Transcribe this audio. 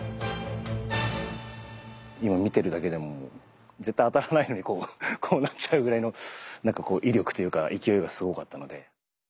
今見てるだけでも絶対当たらないのにこうなっちゃうぐらいのなんかこう威力というか勢いがすごかったので。